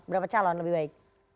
berapa calon lebih baik